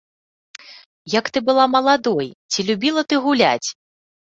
Як ты была маладой, ці любіла ты гуляць?